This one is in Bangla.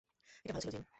এটা ভালো ছিলো, জিম।